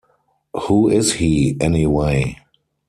Who is he, anyway?